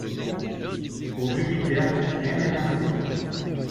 Pour Jupiter, rien n'est moins sûr.